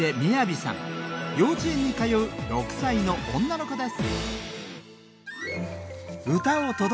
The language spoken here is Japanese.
幼稚園に通う６歳の女の子です